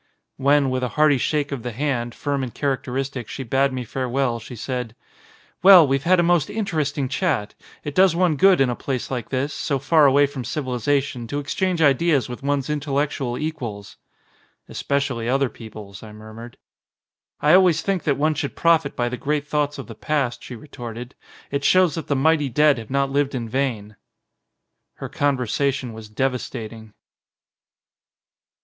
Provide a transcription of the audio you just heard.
When, with a hearty shake of the hand, firm and characteristic, she bade me farewell, she said : "Well, we've had a most interesting chat. It does one good in a place like this, so far away from civilisation, to exchange ideas with one's intellec tual equals." "Especially other people's," I murmured. "I always think that one should profit by the great thoughts of the past," she retorted. "It shows that the mighty dead have not lived in vain." Her conversation was devastating.